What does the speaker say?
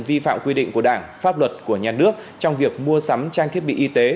vi phạm quy định của đảng pháp luật của nhà nước trong việc mua sắm trang thiết bị y tế